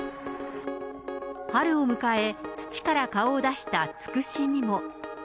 春を迎え、土から顔を出したツクシにも。